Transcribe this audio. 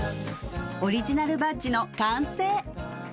オリジナルバッジの完成